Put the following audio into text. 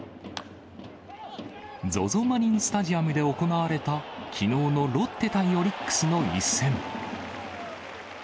マリンスタジアムで行われたきのうのロッテ対オリックスの一戦。